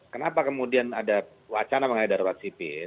kenapa kemudian ada wacana mengenai darurat sipil